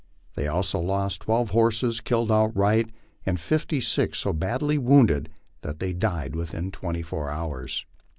They also lost twelve horses killed outright, and fifty six so badly wounded that they died within twenty four hours.